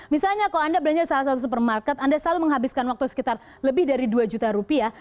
misalnya kalau anda belanja salah satu supermarket anda selalu menghabiskan waktu sekitar lebih dari dua juta rupiah